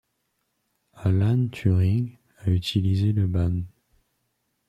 Alan Turing a utilisé le ban.